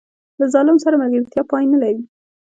له ظالم سره ملګرتیا پای نه لري.